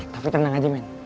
tapi tenang aja men